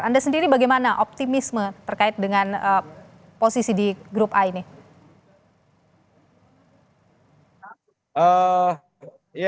anda sendiri bagaimana optimisme terkait dengan posisi di grup a ini